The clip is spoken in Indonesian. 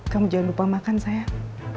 kamu jangan lupa makan sayang